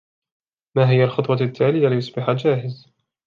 ما هي الخطوة التالية ليصبح جاهز؟